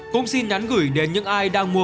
cũng xin nhắn gửi đến những ai đang mua